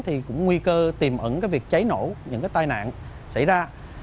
thì cũng nguy cơ tìm ẩn việc cháy nổ những tai nạn xảy ra